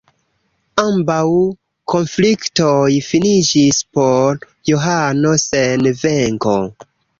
Ambaŭ konfliktoj finiĝis por Johano sen venko.